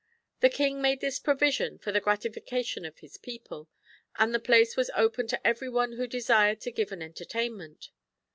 The King made this provision for the gratification of his people, and the place was open to every one who desired to give an entertainment.